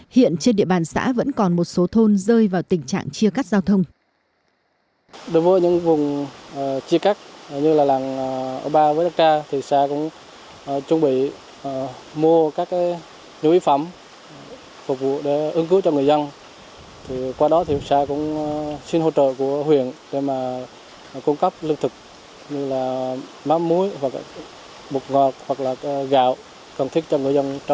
hiện trên địa bàn xã vẫn còn một số thôn rơi vào tình trạng chia cắt giao thông